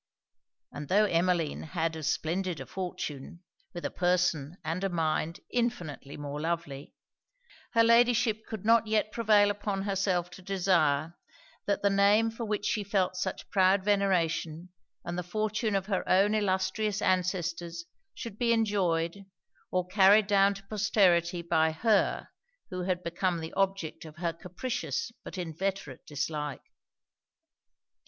And tho' Emmeline had as splendid a fortune, with a person and a mind infinitely more lovely, her Ladyship could not yet prevail upon herself to desire, that the name for which she felt such proud veneration, and the fortune of her own illustrious ancestors, should be enjoyed, or carried down to posterity by her, who had become the object of her capricious but inveterate dislike.